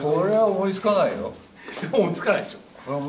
思いつかないですよ。